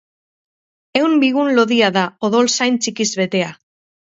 Ehun bigun lodia da, odol zain txikiz betea.